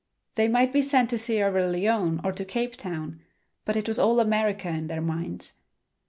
They might be sent to Sierra Leone or to Capetown, but it was all America in their minds.